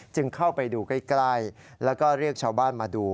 จึงเข้าไปดูใกล้แล้วก็เรียกชาวบ้านมาดู